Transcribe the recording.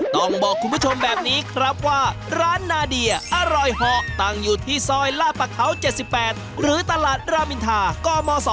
ต้องบอกคุณผู้ชมแบบนี้ครับว่าร้านนาเดียอร่อยเหาะตั้งอยู่ที่ซอยลาดประเขา๗๘หรือตลาดรามินทากม๒